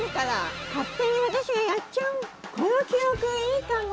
この記憶いいかも。